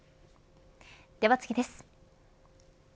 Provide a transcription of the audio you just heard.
では次です。